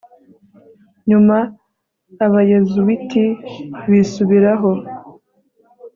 nyuma abayezuwiti bisubiraho